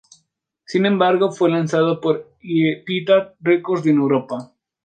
Sin embargo, fue lanzado por Epitaph Records en Europa.